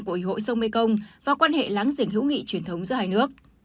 của ủy hội sông mê công và quan hệ láng giềng hữu nghị truyền thống giữa hai nước